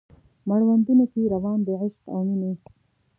مړوندونو کې روان د عشق او میینې